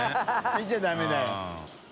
見ちゃダメだよ。